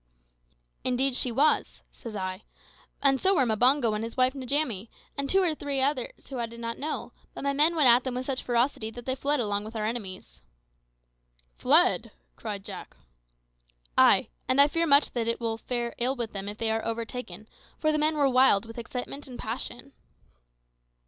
"Indeed she was," said I, "and so were Mbango, and his wife Njamie, and one or two others whom I did not know; but my men went at them with such ferocity that they fled along with our enemies." "Fled!" cried Jack. "Ay; and I fear much that it will fare ill with them if they are overtaken, for the men were wild with excitement and passion."